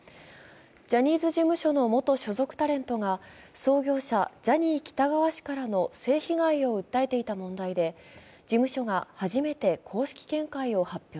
ジャニーズ事務所の元所属タレントが創業者・ジャニー喜多川氏からの性被害を訴えていた問題で、事務所が初めて公式見解を発表。